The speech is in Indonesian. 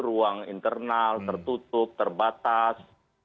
ruang internal tertutup terbatas